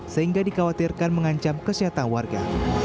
sehingga dikhawatirkan mengancam kesehatan warga